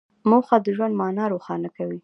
موخه د ژوند مانا روښانه کوي.